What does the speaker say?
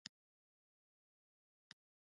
د الوت وزرې ورکوي.